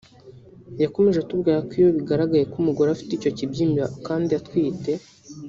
yakomeje atubwira ko iyo bigaragaye ko umugore afite icyo kibyimba kandi atwite